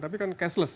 tapi kan cashless